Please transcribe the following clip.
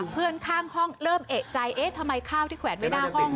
เพื่อนข้างห้องเริ่มเอกใจเอ๊ะทำไมข้าวที่แขวนไว้หน้าห้อง